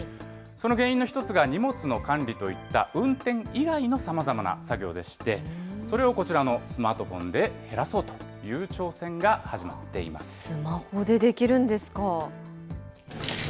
その原因の一つが、荷物の管理といった運転以外のさまざまな作業でして、それをこちらのスマートフォンで減らそうという挑戦が始スマホでできるんですか。